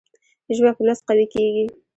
ژبه په لوست قوي کېږي.